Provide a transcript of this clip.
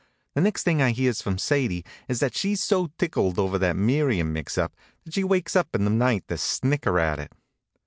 The next thing I hears from Sadie is that she's so tickled over that Miriam mix up that she wakes up in the night to snicker at it.